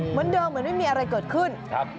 เหมือนเดิมเหมือนไม่มีอะไรเกิดขึ้น